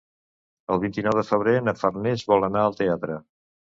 El vint-i-nou de febrer na Farners vol anar al teatre.